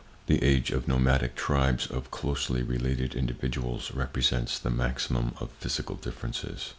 The age of nomadic tribes of closely related individuals represents the maximum of physical differences.